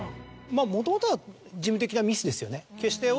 もともとは事務的なミスですよね。